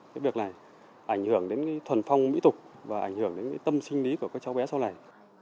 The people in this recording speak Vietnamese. cái việc này ảnh hưởng đến thuần phong mỹ tục và ảnh hưởng đến tâm sinh lý của các cháu bé sau này